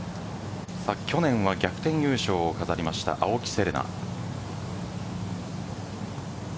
去年は逆転優勝を飾りました青木瀬令奈。